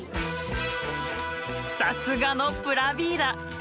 さすがのプラビーダ。